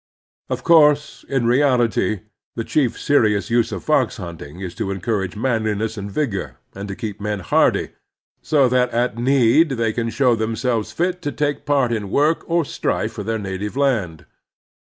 Of course, in reality the chief serious use of fox himting is to encourage manliness and vigor, and to keep men hardy, so that at need they can show themselves fit to take part in work or strife for their native land.